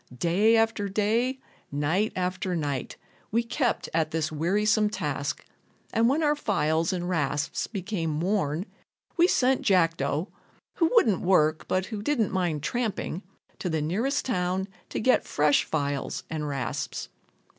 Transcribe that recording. Day after day, night after night, we kept at this wearisome task, and when our files and rasps became worn we sent Jackdo (who wouldn't work, but who didn't mind tramping) to the nearest town to get fresh files and rasps.